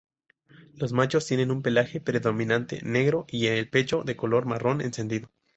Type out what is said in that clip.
Los machos tienen un pelaje predominantemente negro y el pecho de color marrón encendido.